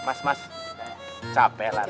mas mas capek lari